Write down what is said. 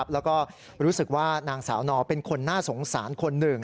แล้วก็รู้สึกว่านางสาวนอเป็นคนน่าสงสารคนหนึ่ง